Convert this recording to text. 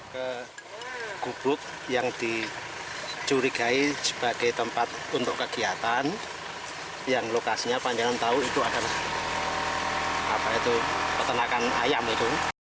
ketiga orang tersebut diduga menangkap tiga terduga teroris di dusun troco kecamatan karanganom klaten jawa tengah